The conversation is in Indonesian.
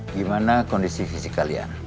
gimana kondisi fisik kalian